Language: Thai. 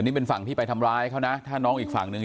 นี่เป็นฝั่งที่ไปทำร้ายเขานะถ้าน้องอีกฝั่งหนึ่ง